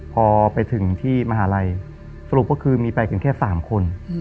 พอไปถึงที่มหาลัยสรุปก็คือมีไปกันแค่๓คน